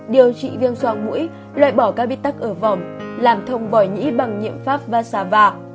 điều trị viêm soang mũi loại bỏ các bít tắc ở vòng làm thông vỏi nhĩ bằng nhiệm pháp vasava